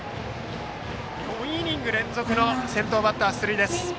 ４イニング連続の先頭バッター出塁です。